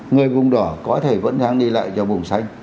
người vùng đỏ có thể vẫn đang đi lại cho vùng xanh